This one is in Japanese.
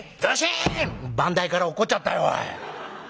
「番台から落っこっちゃったよおい。